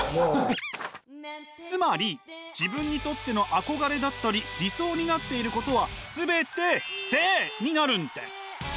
つまり自分にとっての憧れだったり理想になっていることは全て聖になるんです。